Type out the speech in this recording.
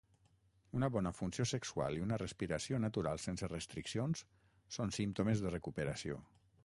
Una bona funció sexual i una respiració natural sense restriccions son símptomes de recuperació.